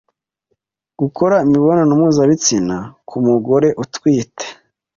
Gukora imibonano mpuzabitsina ku mugore utwite